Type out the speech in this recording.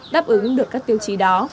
đáp ứng được các tiêu chí đó